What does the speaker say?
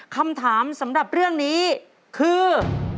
คำถามสำหรับเรื่องนี้คือ